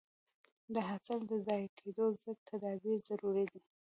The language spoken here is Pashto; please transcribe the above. د حاصل د ضایع کېدو ضد تدابیر ضروري دي.